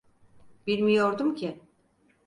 Bilmiyordum ki.